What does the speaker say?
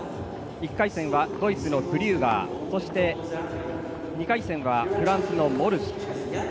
１回戦はドイツのクリューガーそして、２回戦はフランスのモルシュ。